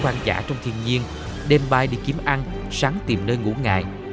khoan giả trong thiên nhiên đêm bay đi kiếm ăn sáng tìm nơi ngủ ngại